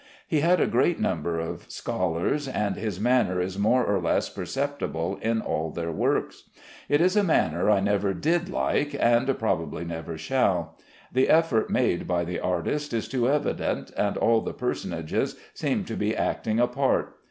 He had a great number of scholars, and his manner is more or less perceptible in all their works. It is a manner I never did like, and probably never shall. The effort made by the artist is too evident, and all the personages seem to be acting a part.